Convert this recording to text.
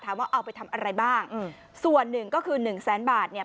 ถามว่าเอาไปทำอะไรบ้างส่วนหนึ่งก็คือ๑แสนบาทเนี่ย